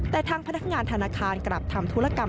แต่ทางพนักงานธนาคารกลับทำธุรกรรม